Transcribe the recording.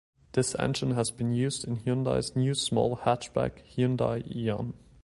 This engine has been used in Hyundai's new small hatchback Hyundai Eon.